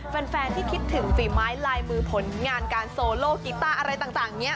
แฟนที่คิดถึงฝีไม้ลายมือผลงานการโซโลกีต้าอะไรต่างเนี่ย